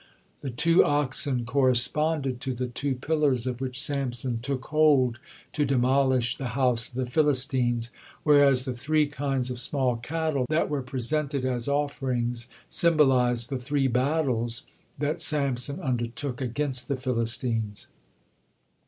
The two oxen corresponded to the two pillars of which Samson took hold to demolish the house of the Philistines; whereas the three kinds of small cattle that were presented as offerings symbolized the three battles that Samson undertook against the Philistines.